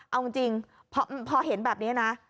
เอาจริงพอเห็นแบบนี้นะ